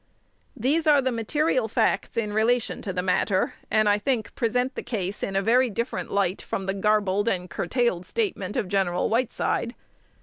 These are the material facts in relation to the matter, and I think present the case in a very different light from the garbled and curtailed statement of Gen. Whiteside.